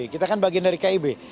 kita kan bagian dari kib